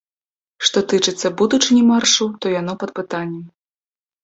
Што тычыцца будучыні маршу, то яно пад пытаннем.